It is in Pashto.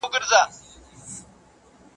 زه او ته یو په قانون له یوه کوره.